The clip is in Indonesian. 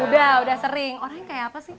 udah udah sering orangnya kayak apa sih